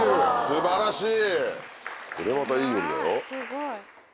素晴らしい！